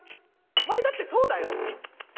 お前だってそうだよ。